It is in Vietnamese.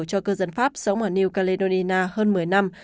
cho cư dân pháp sống ở new caledonina hơn một mươi năm